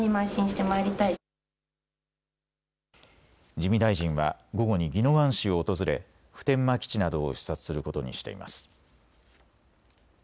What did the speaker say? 自見大臣は午後に宜野湾市を訪れ普天間基地などを視察することにしています。